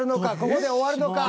ここで終わるのか。